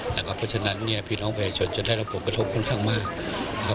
เพราะฉะนั้นพี่น้องประชาชนจะได้ระบบกระทบค่อนข้างมาก